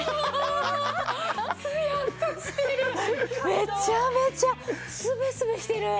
めちゃめちゃスベスベしてる！